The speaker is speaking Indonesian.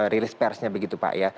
rilis persnya begitu pak ya